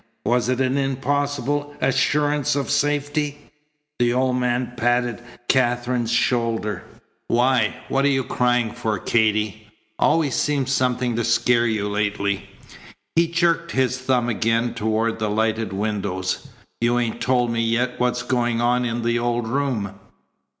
Was it an impossible assurance of safety? The old man patted Katherine's shoulder. "Why, what you crying for, Katy? Always seems something to scare you lately." He jerked his thumb again toward the lighted windows. "You ain't told me yet what's going on in the old room."